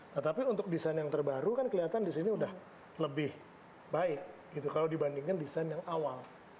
tetapi untuk desain yang terbaru kan kelihatan disini udah lebih baik gitu kalau dibandingkan desain yang awal